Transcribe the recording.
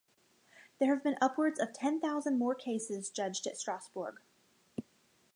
There have been upwards of ten thousand more cases judged at Strasbourg.